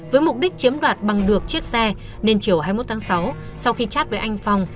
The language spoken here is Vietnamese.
với mục đích chiếm đoạt bằng được chiếc xe nên chiều hai mươi một tháng sáu sau khi chat với anh phong